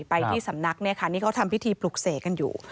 ไปที่สำนักเนี่ยค่ะนี่เขาทำพิธีปลุกเสกกันอยู่